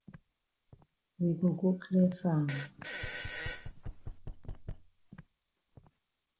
We go go clear farm?